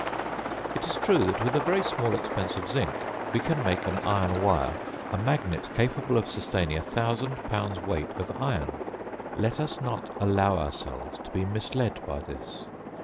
It is true that with a very small expense of zinc, we can make an iron wire a magnet capable of sustaining a thousand pounds weight of iron; let us not allow ourselves to be misled by this.